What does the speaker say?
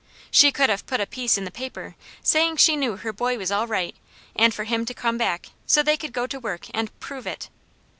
She could have put a piece in the paper saying she knew her boy was all right, and for him to come back, so they could go to work and PROVE it.